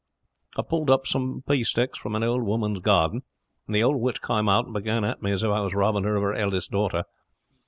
I have pulled up some pea sticks from an old woman's garden; and the ould witch came out and began at me as if I was robbing her of her eldest daughter.